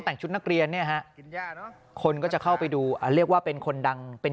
แต่งชุดนักเรียนเนี่ยฮะคนก็จะเข้าไปดูเรียกว่าเป็นคนดังเป็น